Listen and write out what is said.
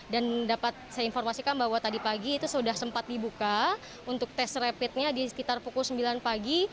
dan dapat saya informasikan bahwa tadi pagi itu sudah sempat dibuka untuk tes rapidnya di sekitar pukul sembilan pagi